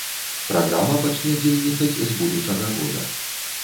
Праграма пачне дзейнічаць з будучага года.